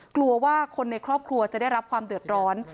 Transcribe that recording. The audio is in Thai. กลัวว่าคนในครอบครัวจะได้รับความเดือดร้อน